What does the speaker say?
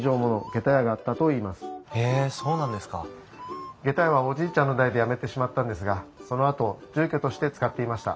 げた屋はおじいちゃんの代でやめてしまったんですがそのあと住居として使っていました。